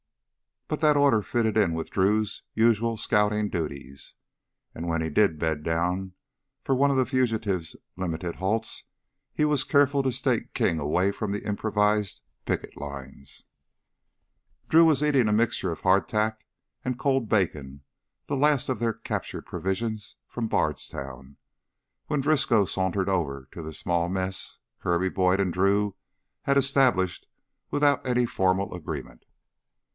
But that order fitted in with Drew's usual scouting duties. And when he did bed down for one of the fugitives' limited halts he was careful to stake King away from the improvised picket lines. Drew was eating a mixture of hardtack and cold bacon, the last of their captured provision from Bardstown, when Driscoll sauntered over to the small mess Kirby, Boyd, and Drew had established without any formal agreement.